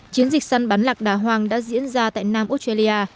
chiến dịch săn bắn lạc đà hoang đã diễn ra tại nam australia